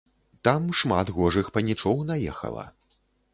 Там шмат гожых панічоў наехала.